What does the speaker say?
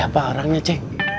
siapa orangnya ce